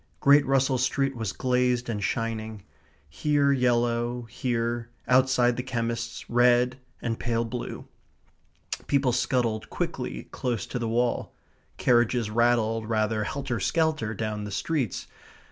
Great Russell Street was glazed and shining here yellow, here, outside the chemist's, red and pale blue. People scuttled quickly close to the wall; carriages rattled rather helter skelter down the streets.